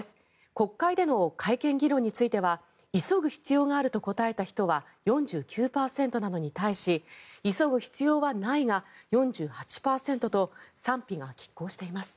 国会での改憲議論については急ぐ必要があると答えた人は４９％なのに対し急ぐ必要はないが４８％と賛否がきっ抗しています。